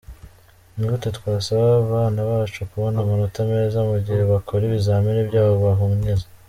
Ni gute twasaba abana bacu kubona amanota meza mu gihe bakora ibizamini byabo bahunyiza?".